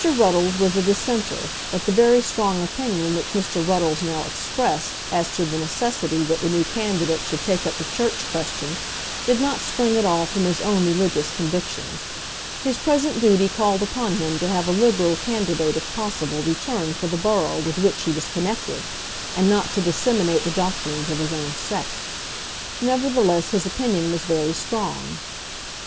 Ruddles was a Dissenter, but the very strong opinion which Mr. Ruddles now expressed as to the necessity that the new candidate should take up the Church question did not spring at all from his own religious convictions. His present duty called upon him to have a Liberal candidate if possible returned for the borough with which he was connected, and not to disseminate the doctrines of his own sect. Nevertheless, his opinion was very strong.